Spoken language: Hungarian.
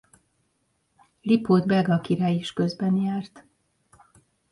Lipót belga király is közbenjárt.